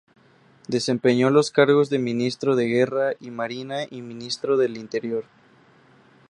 Desempeñó los cargos de Ministro de Guerra y Marina y Ministro del Interior.